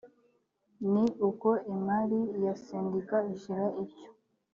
ni uko imari ya sendika ishira ityo